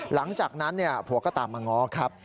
หลังจากนั้นผัวก็ตามมาง้อครับ